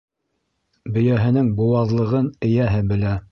Бейәһенең быуаҙлығын эйәһе белә.